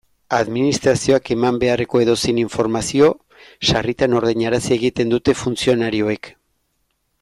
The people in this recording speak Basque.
Administrazioak eman beharreko edozein informazio sarritan ordainarazi egiten dute funtzionarioek.